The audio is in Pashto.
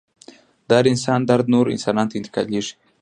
د هر انسان درد نورو انسانانو ته انتقالیږي.